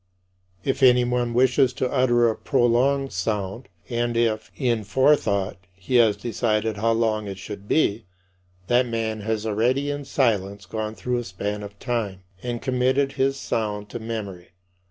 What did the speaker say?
If anyone wishes to utter a prolonged sound, and if, in forethought, he has decided how long it should be, that man has already in silence gone through a span of time, and committed his sound to memory.